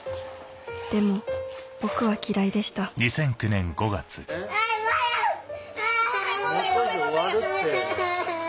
でも僕は嫌いでした・ごめんごめん・・すぐ終わるって・・